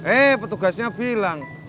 eh petugasnya bilang